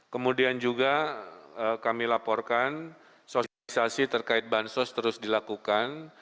kemudian juga kami laporkan sosialisasi terkait bansos terus dilakukan